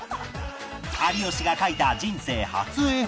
有吉が描いた人生初絵本